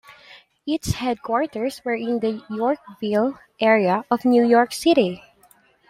Its headquarters were in the Yorkville area of New York City.